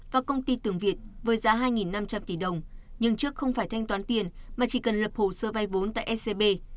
và công ty tường việt với giá hai năm trăm linh tỷ đồng nhưng trước không phải thanh toán tiền mà chỉ cần lập hồ sơ vay vốn tại scb